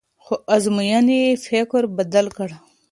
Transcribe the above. خو ازموینې یې فکر بدل کړ.